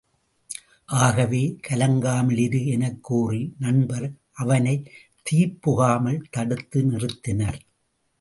ஆகவே கலங்காமல் இரு எனக் கூறி நண்பர் அவனைத் தீப்புகாமல் தடுத்து நிறுத்தினர்.